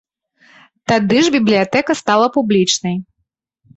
Тады ж бібліятэка стала публічнай.